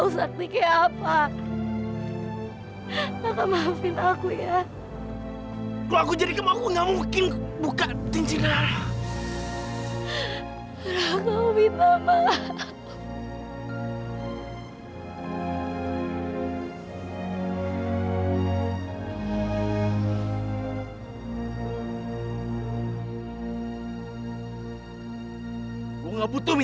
sampai jumpa di video selanjutnya